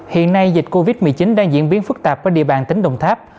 hiện nay dịch covid một mươi chín đang diễn biến phức tạp ở địa bàn tỉnh đồng tháp